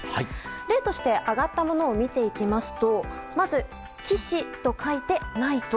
例として挙がったものを見ていきますとまず「騎士」と書いてナイト。